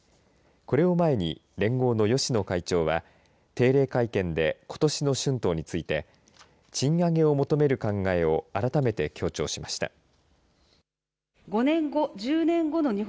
これを前に連合の芳野会長は定例会見でことしの春闘について賃上げを求める考えを改めて強調しました。